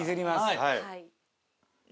はい。